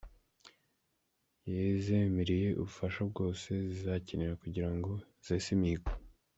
Yezemereye ubufasha bwose zizakenera kugira ngo zese imihigo.